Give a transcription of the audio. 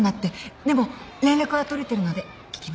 でも連絡は取れてるので聞きます。